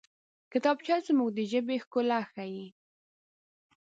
کتابچه زموږ د ژبې ښکلا ښيي